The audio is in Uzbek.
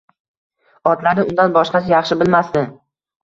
Otlarni undan boshqasi yaxshi bilmasdi